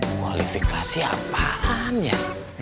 kualifikasi apaan ya